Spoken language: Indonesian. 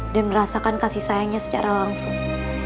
dan merasakan kasih sayangnya secara langsung